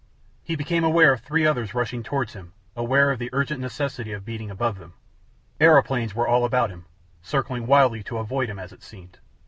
He became aware of three others rushing towards him, aware of the urgent necessity of beating above them. Aeroplanes were all about him, circling wildly to avoid him, as it seemed.